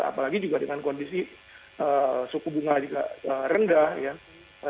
apalagi juga dengan kondisi suku bunga juga rendah ya